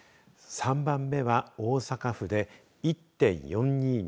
３番目は大阪府で１．４２人。